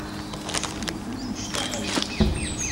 Acu d-yiwin anect-a ɣer yelli?